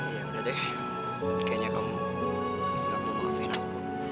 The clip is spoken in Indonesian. ya udah deh kayaknya kamu gak mau maafin aku